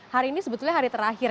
hari ini sebetulnya hari terakhir